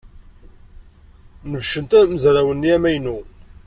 Nebcent amezraw-nni amaynu.